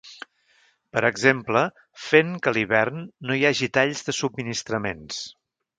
Per exemple, fent que a l’hivern no hi hagi talls de subministraments.